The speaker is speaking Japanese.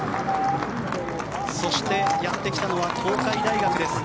そしてやってきたのは東海大学です。